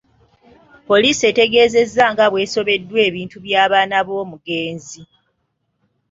Poliisi etegeezezza nga bw'esobeddwa ebintu by'abaana b'omugenzi.